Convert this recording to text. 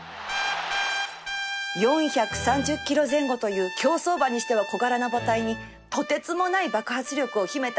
４３０ｋｇ 前後という競走馬にしては小柄な馬体にとてつもない爆発力を秘めたステイゴールドじゃない？